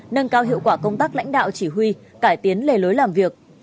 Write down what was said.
nâng cao hiệu quả công tác lãnh đạo chỉ huy cải tiến lề lối làm việc